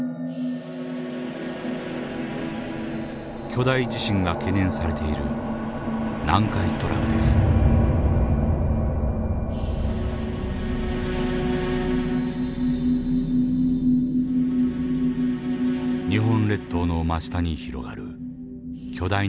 巨大地震が懸念されている日本列島の真下に広がる巨大な震源域。